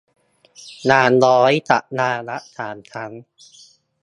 อย่างน้อยสัปดาห์ละ สาม ครั้ง